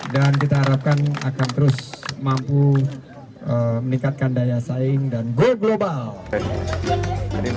dan kita harapkan akan terus mampu meningkatkan daya saing dan go global